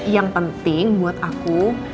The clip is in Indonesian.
yang penting buat aku